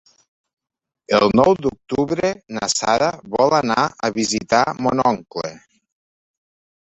El nou d'octubre na Sara vol anar a visitar mon oncle.